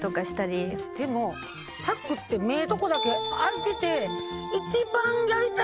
でもパックって目のとこだけ開いてて。